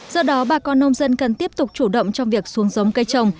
do đó bà con nông dân cần tiếp tục chủ động trong việc xuống giống cây trồng